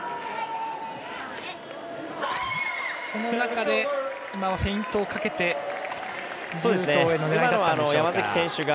その中で、今はフェイントをかけて劉禹とうへの狙いだったんでしょうか。